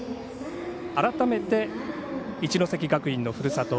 改めて一関学院のふるさと